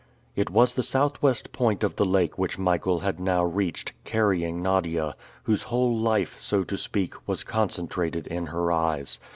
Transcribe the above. It was the southwest point of the lake which Michael had now reached, carrying Nadia, whose whole life, so to speak, was concentrated in her eyes.